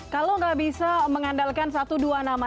kalau nggak bisa mengandalkan satu dua nama